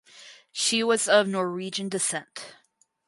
She was of Norwegian descent.